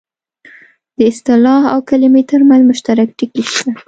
د اصطلاح او کلمې ترمنځ مشترک ټکي شته